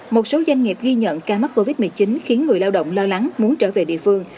một số doanh nghiệp ghi nhận ca mắc covid một mươi chín khiến người lao động lo lắng muốn trở về địa phương